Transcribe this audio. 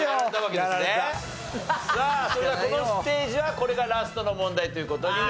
さあそれではこのステージはこれがラストの問題という事になります。